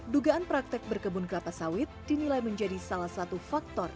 dugaan praktek berkebun kelapa sawit dinilai menjadi salah satu faktor